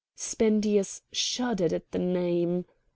Spendius shuddered at the name.